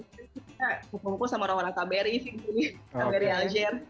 kita berhubung hubung sama orang orang kbri di sini kbri aljir